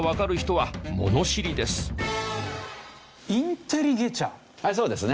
はいそうですね。